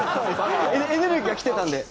エネルギーがきてたので。